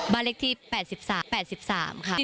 บ้านเลขที่๘๓๘๓ค่ะ